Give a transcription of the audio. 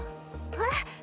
えっ？